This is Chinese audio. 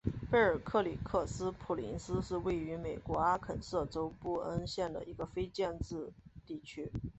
贝尔克里克斯普林斯是位于美国阿肯色州布恩县的一个非建制地区。